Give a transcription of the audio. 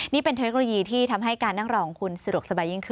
นี่เป็นเทคโนโลยีที่ทำให้การนั่งรอของคุณสะดวกสบายยิ่งขึ้น